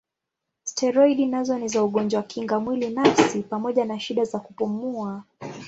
Steroidi nazo ni za ugonjwa kinga mwili nafsi pamoja na shida za kupumua.